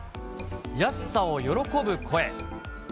安さを喜ぶ声。